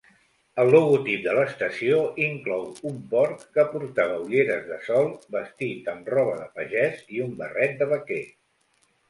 El logotip de l'estació inclou un porc que portava ulleres de sol vestit amb roba de pagès i un barret de vaquer.